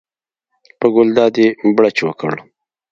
په ګلداد یې بړچ وکړ.